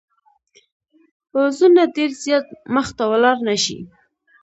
پوځونه ډېر زیات مخته ولاړ نه شي.